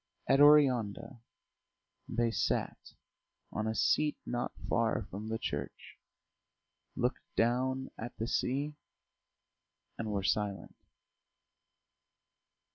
At Oreanda they sat on a seat not far from the church, looked down at the sea, and were silent.